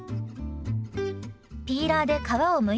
ピーラーで皮をむいていきます。